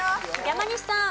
山西さん。